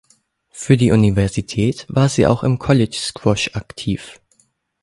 Für die Universität war sie auch im College Squash aktiv.